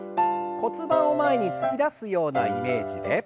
骨盤を前に突き出すようなイメージで。